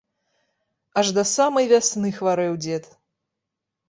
Аж да самай вясны хварэў дзед.